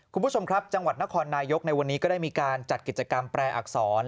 คุณผู้ชมครับจังหวัดนครนายกในวันนี้ก็ได้มีการจัดกิจกรรมแปรอักษร